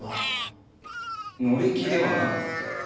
乗り気ではなかった？